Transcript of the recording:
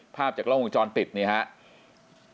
ภาพจากกล้องวงจรปิดนี่ครับ